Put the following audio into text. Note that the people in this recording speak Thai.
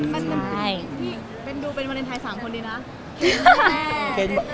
เป็นดูเป็นวันเรนไทยสามคนดีนะ